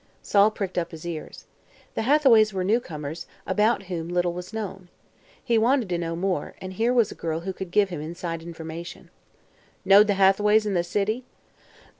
Sol pricked up his ears. The Hathaways were newcomers, about whom little was known. He wanted to know more, and here was a girl who could give him inside information. "Knowed the Hathaways in the city?"